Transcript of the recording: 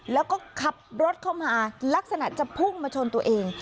แล้วก็ขับรถเข้ามาลักษณะจะพุ่งมาชนตัวเอง